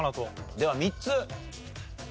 では３つ。